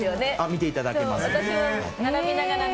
見ていただけます。